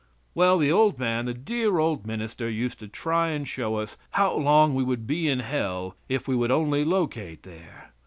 Well the old man the dear old minister used to try and show us how long we would be in Hell if we would only locate there.